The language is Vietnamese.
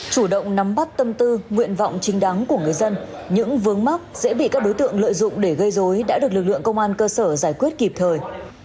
chủ động nắm bắt tâm tư nguyện vọng chính đáng của người dân những vướng mắc dễ bị các đối tượng lợi dụng để gây dối đã được lực lượng công an cơ sở giải quyết kịp thời